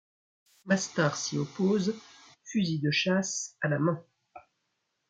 Mastard s'y oppose, fusil de chasse à la main.